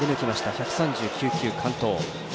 １３９球、完投。